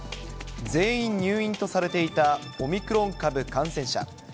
全員入院とされていたオミクロン株感染者。